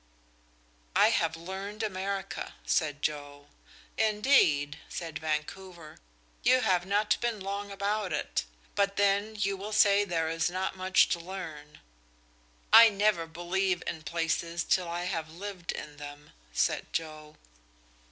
"I have learned America," said Joe. "Indeed!" said Vancouver. "You have not been long about it; but then, you will say there is not much to learn." "I never believe in places till I have lived in them," said Joe.